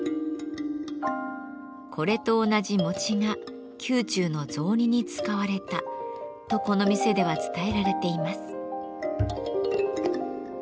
これと同じ餅が宮中の雑煮に使われたとこの店では伝えられています。